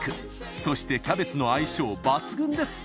そしてキャベツの相性抜群です。